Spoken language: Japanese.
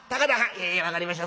へえ分かりました。